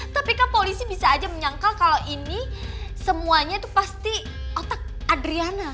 tapi kan polisi bisa aja menyangkal kalau ini semuanya itu pasti otak adriana